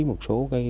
một số đối chức